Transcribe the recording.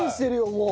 もう。